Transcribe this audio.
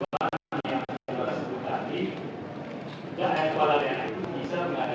kalau tiba tiba seolah olah